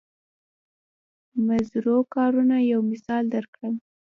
مضرو کارونو یو مثال درکړم.